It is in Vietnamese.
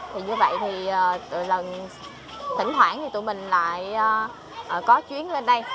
như vậy thỉnh thoảng tụi mình lại có chuyến lên đây